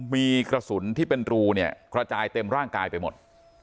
มีกระสุนที่เป็นรูเนี่ยกระจายเต็มร่างกายไปหมด